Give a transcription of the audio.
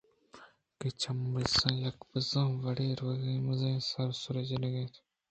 کہ چمے پساں یک بُزے واڑ ءِ رَوَگ ءَ مزنیں سَرسَرے جَنَگ ءَ اَت